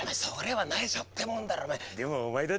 それはないしょってもんだろうお前。